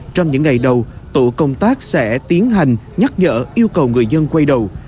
trong những ngày đầu tổ công tác sẽ tiến hành nhắc nhở yêu cầu người dân quay đầu